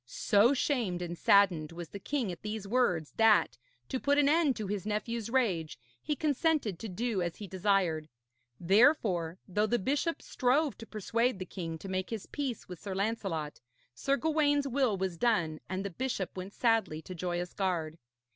So shamed and saddened was the king at these words that, to put an end to his nephew's rage, he consented to do as he desired. Therefore, though the bishop strove to persuade the king to make his peace with Sir Lancelot, Sir Gawaine's will was done, and the bishop went sadly to Joyous Gard.